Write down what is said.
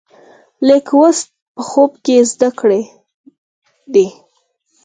لیک لوست په خوب کې زده کړی دی.